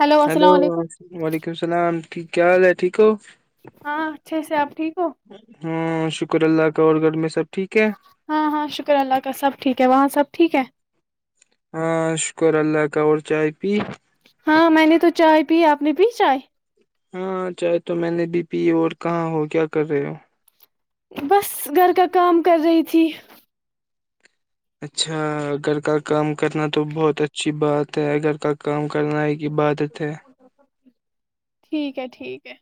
hello السلام علیکم وعلیکم السلام کیا حال ہے ٹھیک ہو ہاں اچھے سے آپ ٹھیک ہو ہاں شکر اللہ کور گڑھ میں سب ٹھیک ہے ہاں ہاں شکر اللہ کا سب ٹھیک ہے وہاں سب ٹھیک ہے ہاں شکر اللہ کا اور چائے پی ہاں میں نے تو چائے پی اپ نے پی چائے ہاں چاہے تو میں نے بھی پی اور کہاں ہو کیا کر رہے ہو بس گھر کا کام کر رہی تھی اچھا گھر کا کام کرنا تو بہت اچھی بات تو اگر کا کام کرناائی کی عبادت ہے ٹھیک ہے ٹھیک ہے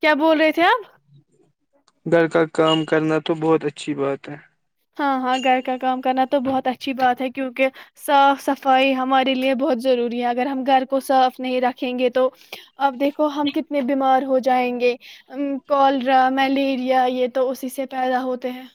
کیا بول رہے تھے آپ گھر کا کام کرنا تو بہت اچھی بات ہے ہاں ہاں گھر کا کام کرنا تو بہت اچھی بات ہے کیونکہ صاف صفائی ہمارے لیے بہت ضروری ہے اگر ہم گھر کو صاف نہیں رکھیں گے تو اب دیکھو ہم کتنے بیمار ہو ج جائیں گے کوالرا ملیریا یہ تو اسی سے پیدا ہوتے ہیں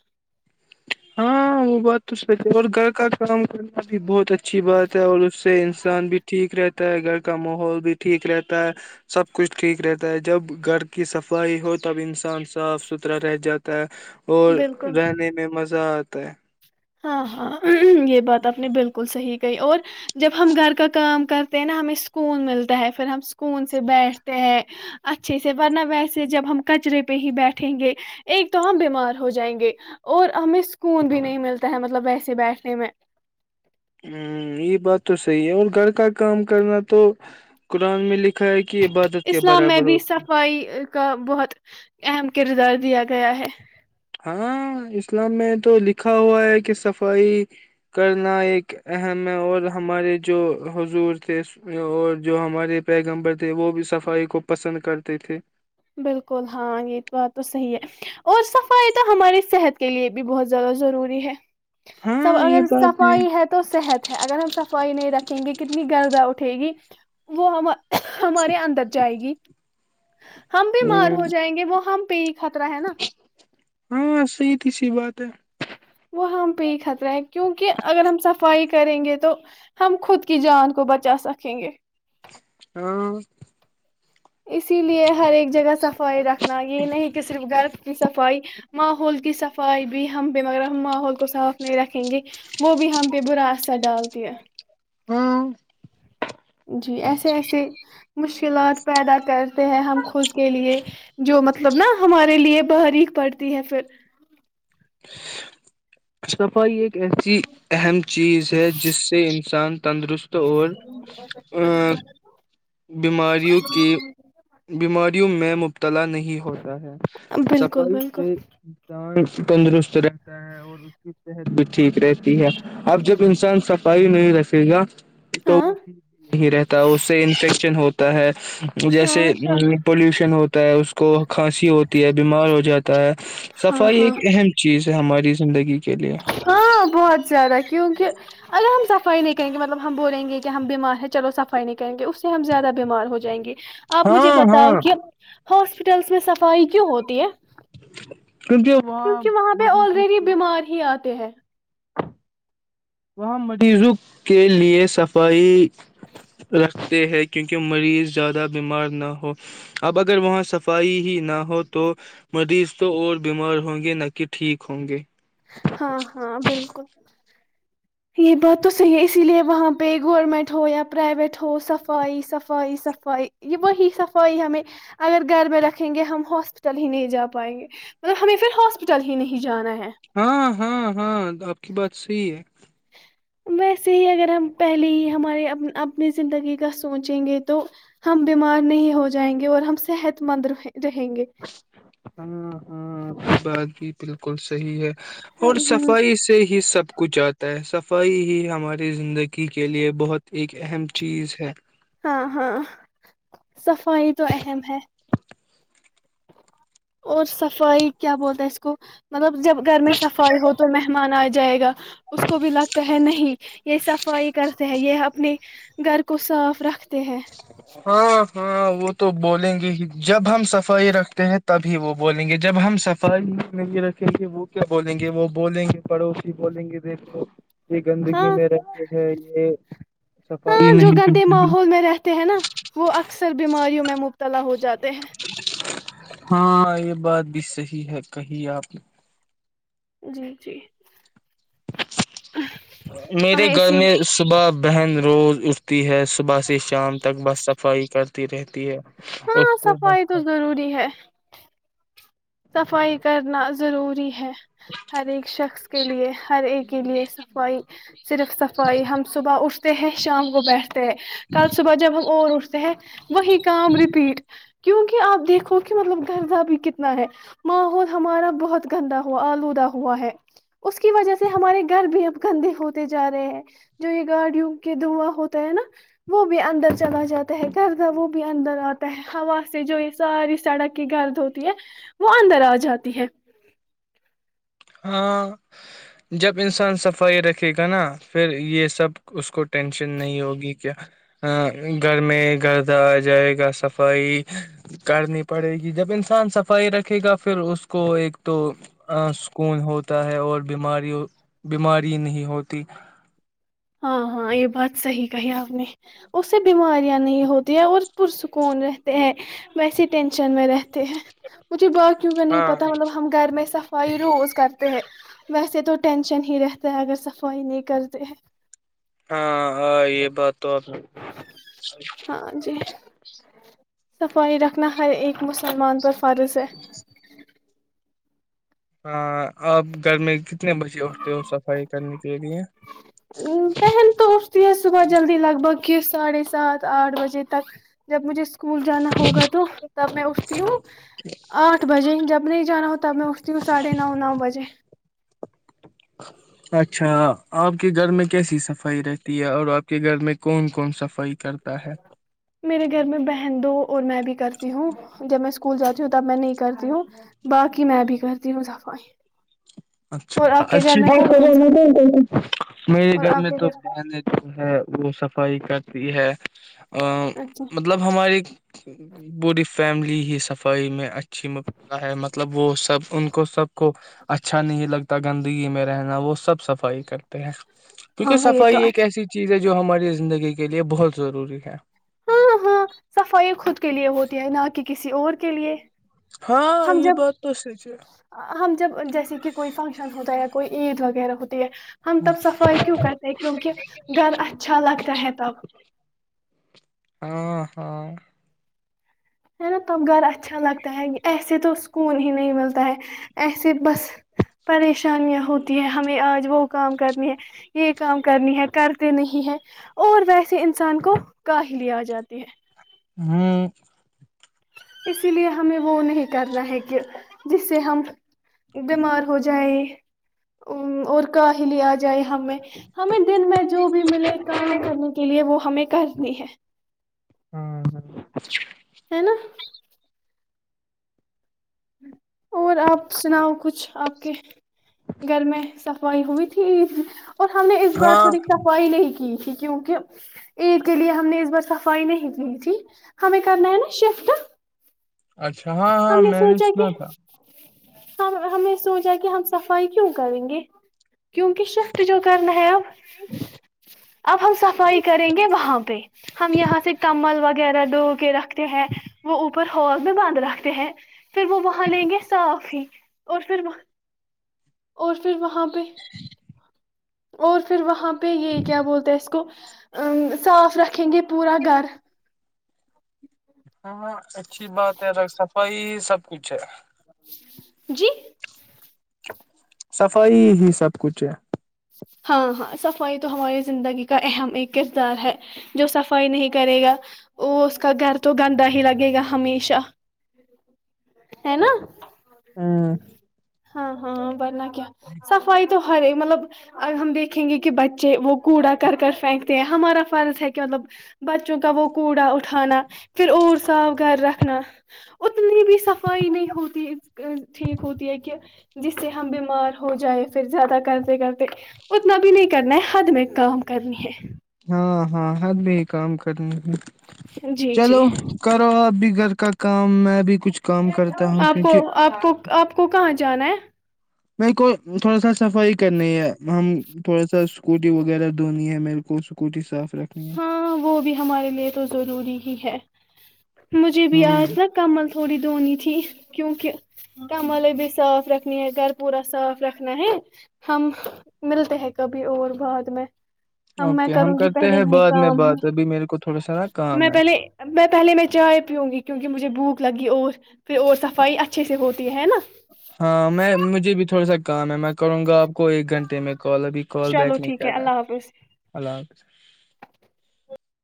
ہاں وہ بات تو صحیح ہے اور گھر کا کام کرنا بھی بہت اچھا اچھی بات ہے اور اس سے انسان بھی ٹھیک رہتا ہے گھر کا ماحول بھی ٹھیک رہتا ہے سب کچھ ٹھیک رہتا ہے جب گھر کی صفائی ہو تب انسان صاف ستھرا رہ جاتا ہے اور بالکل رہنے میں مز آتا ہے ہاں ہاں یہ بات آپ نے بالکل صحیح گئی اور جب ہم گھر کا کام کرتے ہیں نا ہمیں سکون ملتا ہے پھر ہم سکون سے بیٹھتے ہیں اچھے سے ورنہ ویسے جب ہم کچرے پہ ہی بیٹھیں گے ایک تو ہم بیمار ہو جائیں گے اور ہمیں سکون بھی نہیں ملتا ہے مطلب ویسے بیٹھنے میں ہ یہ بات تو صحیح ہے اور گھر کا کام کرنا تو قرآن میں لکھ اسلام میں بھی صفائی کا بہت اہم کردار دیا گیا ہے [inaudible] ہاں اسلام میں تو لکھا ہوا ہے کہ صفائی کرنا ایک اہم ہے اور ہمارے جو حضور تھے اور جو ہمارے پیغمبر تھے وہ بھی صفائی کو پسند کرتے تھے بالکل ہاں یہ بات تو صحیح ہے اور صفائی تو ہماری صحت کے لیے بھی بہت زیادہ ضروری ہے سب ہاں یہ اگر بات بھی صفائی ہے تو صحت ہے اگر ہم صفائی نہیں رکھیں گے کتنی گردہ اٹھ تھے گی وہ ہم [unintelligible] ہمارے اندر جائے گی ہ [unintelligible] ہم بیمار ہو جائیں گے وہ ہم پ [unintelligible] ہاں صحیح تھی سی بات تو ہم پہ ہی خطرہ ہے کیونکہ اگر ہم صفائی کریں گے تو ہم خود کی جان کو بچا سکیں گے ہاں اسی لیے ہر ایک جگہ صفائی رکھنا یہ نہیں کہ صرف گھر کی صفائی ماحول کی صفائی بھی ہم بھیمغیرہ ہم ماحول کو صاف نہیں رکھیں گے وہ بھی ہم پہ برا اثر ڈالتی ہے ہاں ا [inaudible] جی ایسے ایسے مشکلات پیدا کر ہیں ہم خود کے لیے جو مطلب نا ہمارے لیے بحارییک پڑتی ہے پھر صفائی ایک ایسی اہم چیز ہے جس سے انسان تندرست اور ا بیماریوں کے بیماریوں میں مبتلا نہیں ہوتا ہے بالکل صفائی بالکل سے جان تندرست رہتا ہے اور اس کی صحت بھی ٹھیک رہتی ہے اب جب انسان صفائی نہیں رکھے گا تو ہاں وہ ٹھیک ہی نہیں رہتا اس سے ن ہوتا ہے جیسے ہاں پوش ن ہوتا ہے اس کو کھانسی ہوتی ہے بیمار ہو جاتی تو ہاں صفائی ہاں ایک اہم چیز ہماری زندگی کے لیے ہاں بہت زیادہ کیونکہ اگر ہم صفائی نہیں کریں گے مطلب ہم بولیں گے کہ ہم ب بیمار ہیں چلو صفائی نہیں کہیں گے اس سے ہم زیادہ بیمار ہو جائیں گے آپ مجھے ہاں ہاں بتاؤ کہ ہاسپیٹلس میں صفائی کیوں ہوتی ہے ہ [inaudible] کیونکہ وہاں پہ آلریڈی بیمار ہی آتے ہیں وہاں مریضوں کے لیے صفائی رکھتے ہیں کیونکہ مریض زیادہ بیمار نہ ہو اب اگر وہاں صفائی ہی نہ ہو تو مریض تو اور بیمار ہوں گے نہ کہ ٹھیک ہوں گے ہاں ہاں بالکل یہ بات تو صحیح ہے اسی لیے وہاں پہ گورنمنٹ ہو یا پرائیویٹ ہو صفائی صفائی صفائی یہ وہی صفائی ہمیں اگر گھر میں رکھیں گے ہم ہاسپٹل ہی نہیں جا پائیں گے مطلب ہمیں پھر ہاسپٹل ہی نہیں جانا ہے ہاں ہاں ہاں آپ کی بات صحیح ہے ویسے ہی اگر ہم پہلے ہی ہمارے اپنی زندگی کا سوچیں گے تو ہم بیمار نہیں ہو جائیں گے اور ہم صحت مند رہیں گے ہاں ہاں بات بھی بالکل صحیح ہے ہاں اور صفائی سے ہی سب کچھ آتا ہے صفائی ہی ہماری زندگی کے لیے بہت ایک اہم چیز ہے ہاں ہاں صفائی تو اہم ہے اور صفائی کیا بولتا اس کو [inaudible] مطلب جب گھر میں صفائی ہو تو مہمان آ جائے گا اس کو بھی لگتا ہے نہیں یہ صفائی کرتے ہیں یہ اب اپنے گھر کو صاف رکھ ہاں ہاں [unintelligible] وہ تو بولیں گے ہی جب ہم سے صفائی رکھتے ہیں تبھی وہ بولیں گے جب ہم صفائی میں یہ رکھیں گے وہ کیا بولیں گے وہ بولیں گے پڑوسی بولیں گے دیکھو یہ ہاں گندگی میں رہتے ہیں یہ صفائی ہاں جو نہیں گندے کر ماحول میں رہتے ہیں نا وہ اکثر بیماریوں میں مبتلا ہو جاتے ہیں ہاں یہ بات بھی صحی ہے کہی ہے آپ نے جی جی [inaudible] میرے ہمیں گھر اسی میں صبح بہن روز اٹھتی ہے صبح سے شام تک بس صفائی کر [inaudible] تی رہتی ہے [inaudible] ہاں اس کو صفائی تو بس ضروری ہے [inaudible] صفائی کرنا ضروری ہے [inaudible] ہر ایک شخص کے لیے ہر ایک [inaudible] کے لیے صفائی [inaudible] صرف صفائی ہم صبح اٹھ [inaudible] تو ہے شام گو بیٹھ کل صبح جب ہم اور اٹھتے سے وہی کام رپیٹ کیونکہ آپ دیکھو کہ مطلب گھرزہ بھی کتنا ہے ماحول ہمارا بہت گندا ہوا آلودہ ہوا ہے اس کی وجہ سے ہمارے گھر بھی اب گندے ہوتے جا رہے ہیں جو یہ گاڑیوں کے دھواں ہوتا ہے نا وہ بھی اندر چلا جاتا ہے گرد وہ بھی اندر آتا ہے ہوا سے جو یہ ساری سڑک کی گرد ہوتی ہے وہ اندر آ جاتی ہے ہاں جب انسان صفائی رکھے گا نا پھر یہ سب اس کو ٹینشن نہیں ہوگی کہ گھر میں گردہ آ جائے گا صفائی کرنی پڑے گی جب انسان صفائی رکھے گا پھر اس کو ایک تو سکون ہوتا ہے اور بیماری بیماری نہیں ہوتی ہاں ہاں یہ بات صحیح کہی آپ نے اس سے بیماریاں نہیں ہوتی ہیں اور پرسکون رہتے ہیں ویسی ٹ میں رہتے ہیں مجھے باقیوں کا نہیں ہاں پتا مطلب ہم گھر میں س صفائی روز کرتے ہیں ویسے تو ٹینشن ہی رہتا ہے اگر صفائی نہیں کرتے ہیں ہاں یہ بات تو آپ ہاں جی صفائی رکھنا ہر ایک مسلمان پر فار سے ہے ہاں آپ گھر میں کتنے بجے اٹھتے ہو صفائی کرنے کے لیے ا پہن تو ا اس ہی صبح جلدی لگ بھگ کہ ساڈ ھے سات آٹھ بجے تک جب مجھے اس اسکول جانا ہوگا تو تب میں اٹھتی ہوں آٹھ بجے جب نہیں جانا ہو تب میں اٹھتی ہوں ساڑھے نو نو بجے اچھا آپ کے گھر میں کیسی صفائی رہتی ہے اور آپ کے گھر میں کون کون صفائی کرتا ہے میرے گھر میں بہ دو اور میں بھی کرتی ہوں جب میں اسکول جاتی ہوں تب میں نہیں کرتی ہوں باقی میں بھی کرتی ہوں صفائی اچھا اور آپ کے گھر اچ میں کون کون سا میرے اور گھر آپ میں کے تو بہن جو ہے وہ صفائی کر یہ ہے ا اچھا مطلب ہماری بوڈی فیملی ہی صفائی میں اچھی مبتلا ہے مطلب وہ سب ان کو سب کو اچ اچھا نہیں لگتا گندگی میں رہنا وہ سب صفائی کرتے ہیں کیوکہ ہاں یہ صفائی تو ایک اچھا ایسی چیز ہے جو ہماری زندگی کے لیے بہت ضروری ہے ہاں ہاں صفائی خود کے لیے ہوتی ہے نہ کہ کسی اور کے لیے ہاں ہم یہ جب بات تو سچ ہے ہم جب جیسے کہ کوئی فنکشن ہوتا ہے یا کوئی عید وغیرہ ہوتی ہم تب سفائی کیوں کرتے ہیں کیونکہ گھر اچھا لگتا ہے تب ہاں ہاں ہے نا ت گھر اچھا لگتا ہے ایسے تو سکون ہی نہیں ملتا ہے ایسے بس پریشانیاں ہوتی ہے ہمیں آج وہ کام کرنی ہے یہ کام کرنی ہے کرتے نہیں ہے اور ویسے انسان کو کاہلی آ جاتی ہے ہ اسی لیے ہمیں وہ نہیں کرنا ہے کہ جس سے ہم بیمار ہو جائیں اور کاہل آ ج جائے ہمیں ہمیں دن میں جو بھی ملے کام کرنے کے لیے وہ ہمیں کرنی ہے ہاں ہے نا اور آپ سناؤ کچھ آپ کے گھر میں سخ وائی ہو بھی تھی اور ہم نے اس بار ہاں تھوڑی صفائی نہیں کی کیونکہ عید کے لیے ہم نے اس بار صفائی نہیں کی تھی ہمیں کرنا ہے نا شفٹ اچھا ہاں ہاں ہم میں نے سوچا سنا کہ تھا ہم ہمیں سوچا کہ ہم صفائی کیوں کریں گے کیونکہ شفٹ جو کرنا ہے اب اب ہم صفائی کریں گے وہاں پہ ہم یہاں سے کمل وغیرہ وغیرہ ڈو کے رکھ ہے وہ اوپر ہوور بھی بانند رہا ہیں پھر وہ وہاں لیں گے صاف ہی اور پھر وہ اور پھر وہاں وہاں پہ اور پھر وہاں پہ پ یہ کیا بولتے ہیں اسس کو ا صاف رکھیں گے پورا گھر ہاںاں اچھی بات ہے ڈاکٹر صاحب وہائی سب کچھ ہے جی صفائی ہی سب کچھ ہے ہاں ہاں صفائی تو ہماری زندگی کا اہم ایک کردار ہے جو صفائی نہیں کرے گا وہ اس کا گھر تو گندا ہی لگے گا ہمیشہ ہے نا ہاں ہاں ہاں ب کیا صفائی تو ہر مطلب ہم دیکھیں گے کہ بچے وہ کوڑا کر کر پھینکتے ہیں ہمارا فرض ہے کہ مطلب بچوں کا وہ کوڑا اٹھانا پھر اور صاف گھر رکھنا اتنی بھی صفائی نہیں ہوتی ٹھیک ہوتی ہے کہ جس سے ہم بیمار ہو جائے پھر زیادہ کرتے کرتے اتنا بھی نہیں کرنا ہے حد میں کام کرنی ہے ہاں ہاں ہر بھی کام کرنے جی جی چلو کرو آب گھر کا کام میں بھی کچھ کام کرتا ہوں آپ کو کیونکہ آپ کو آپ کو کہاں جانا میرے کو تھوڑا سا صفائی کرنی ہے ہم تھوڑا سا اسکوٹی وغیرہ دھونی ہے میرے کو اسکوٹی صاف رکھنی ہے ہاں وہ بھی ہمارے لیے تو ضروری ہی ہے مجھے بھی ہ آج تھا کمل تھوڑی دھونی تھی کیوںک کام والے بھی صاف رکھنی ہے گھر پورا صاف رکھنا ہے ہم ملتے ہیں کبھی اور بعد میں میں اوکے ہم کروں گی کرتے پہلے ہیں ب یہ بعد میں کام بات ہے ابھی میرے کو تھوڑا سا نا میں کام ہے پہلے میں پہلے میں چائے پیوں گی کیونک مجھے بھوک لگی اور پھر اور صفائی اچھے سے ہوتی ت ہے نا ہاں میں مجھے بھی تھوڑا سا کام ہے میں کروں گا آپ کو ایک گھنٹے میں کال ابھی کال چلو بیک نہیں ٹھیک ہے کر رہا اللہ حافظ اللہ حافظ